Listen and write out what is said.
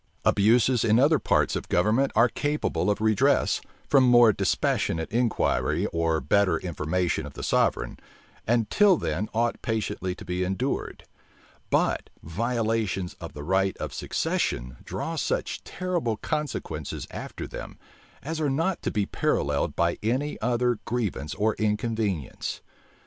Abuses in other parts of government are capable of redress, from more dispassionate inquiry or better information of the sovereign, and till then ought patiently to be endured: but violations of the right of succession draw such terrible consequences after them, as are not to be paralleled by any other grievance or inconvenience.